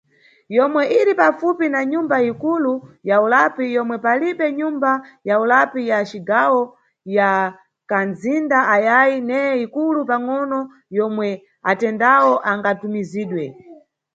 Yomwe iri pafupi na Nyumba Ikulu ya ulapi yomwe palibe nyumba ya ulapi ya cigawo ya kanʼzinda ayayi neye ikulu pangʼono yomwe atendawo angatumizidwe.